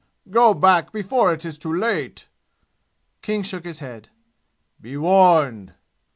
Go back before it is too late!" King shook his head. "Be warned!"